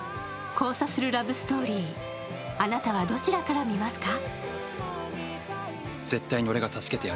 交差するラブストーリー、あなたはどちらから見ますか？